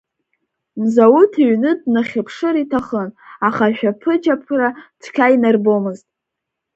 Мзауҭ иҩны днахьыԥшыр иҭахын, аха ашәаԥыџьаԥра цқьа инарбомызт.